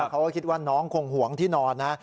เขาก็คิดว่าน้องคงห่วงที่นอนนะ